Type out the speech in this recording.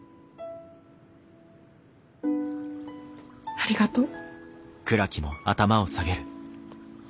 ありがとう。